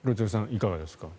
いかがですか。